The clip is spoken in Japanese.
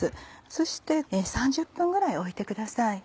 そして３０分ぐらいおいてください。